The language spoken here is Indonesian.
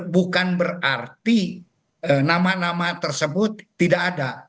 bukan berarti nama nama tersebut tidak ada